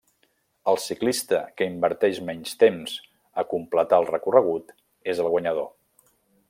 El ciclista que inverteix menys temps a completar el recorregut és el guanyador.